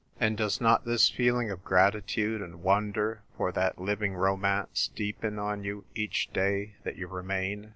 And does not this feeling of gratitude and wonder for that living romance deepen on you each day that you remain